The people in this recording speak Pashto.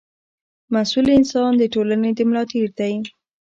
مسوول انسان د ټولنې د ملا تېر دی.